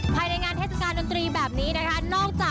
ภายในงานเทศกาลดนตรีแบบนี้นะคะ